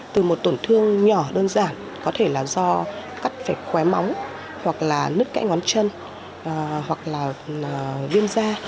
từ một tổn thương nhỏ đơn giản có thể là do cắt phải khóe móng hoặc là nứt cãy ngón chân hoặc là viêm da